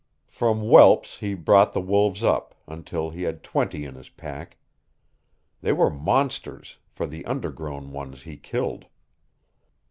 From whelps he brought the wolves up, until he had twenty in his pack. They were monsters, for the under grown ones he killed.